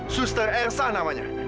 suster r salah namanya